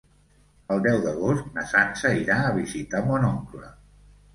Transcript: El deu d'agost na Sança irà a visitar mon oncle.